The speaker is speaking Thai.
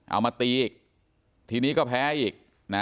เอามาตีอีกทีนี้ก็แพ้อีกนะ